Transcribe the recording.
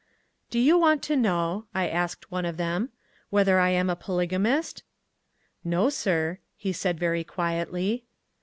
"Do you want to know," I asked one of them, "whether I am a polygamist?" "No, sir," he said very quietly.